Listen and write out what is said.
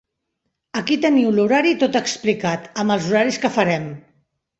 Aquí teniu l'horari tot explicat, amb els horaris que farem.